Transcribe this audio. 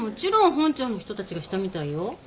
本庁の人たちがしたみたいよ。